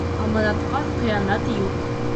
Аманатҡа хыянат юҡ.